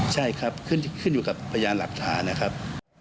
ใช่ครับขึ้นอยู่กับพยานหลักฐานนะครับ